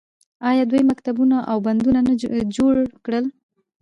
آیا دوی مکتبونه او بندونه نه جوړ کړل؟